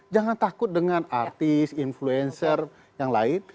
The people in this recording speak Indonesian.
jangan takut dengan artis influencer yang lain